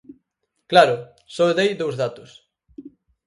Claro, só dei dous datos.